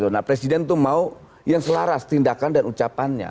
nah presiden itu mau yang selaras tindakan dan ucapannya